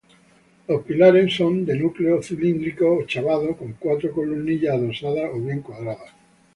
Los pilares son de núcleo cilíndrico ochavado con cuatro columnillas adosadas o bien cuadrados.